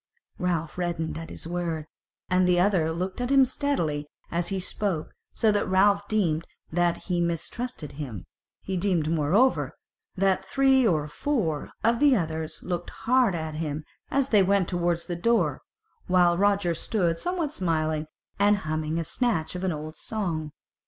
Ralph reddened at his word, and the other looked at him steadily as he spoke, so that Ralph deemed that he mistrusted him: he deemed moreover that three or four of the others looked hard at him as they went towards the door, while Roger stood somewhat smiling, and humming a snatch of an old song.